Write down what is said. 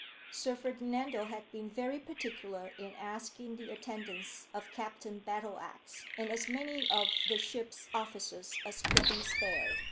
Sir Ferdinando had been very particular in asking the attendance of Captain Battleax, and as many of the ship's officers as could be spared.